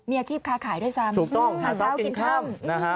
ใช้ทีพคาขายด้วยซ้ำ